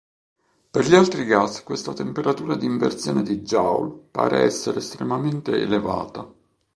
Per gli altri gas questa "temperatura di inversione di Joule" pare essere estremamente elevata.